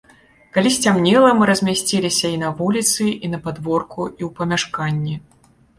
Калі сцямнела, мы размясціліся і на вуліцы, і на падворку, і ў памяшканні.